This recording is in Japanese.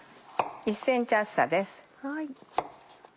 １ｃｍ厚さです。